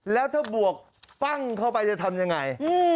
แล้วถ้าบวกปั้งเข้าไปจะทำยังไง